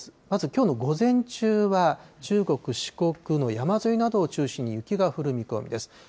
まずきょうの午前中は中国、四国の山沿いなどを中心に雪が降る見込みです。